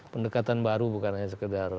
pendekatan baru bukan hanya sekedar